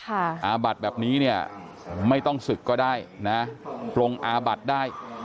อาบัดแบบนี้เนี่ยไม่ต้องศึกก็ได้นะปรงอาบัติได้